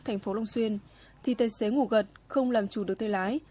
thành phố long xuyên thì tài xế ngủ gật không làm chủ được tay lái